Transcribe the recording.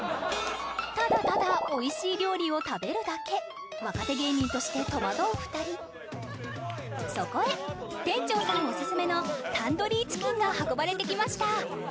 ただただおいしい料理を食べるだけ若手芸人として戸惑う２人そこへ店長さんおすすめのタンドリーチキンが運ばれてきました